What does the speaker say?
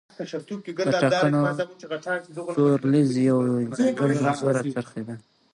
د ټاکنو چورلیز پر یوې ځانګړې موضوع را څرخېده.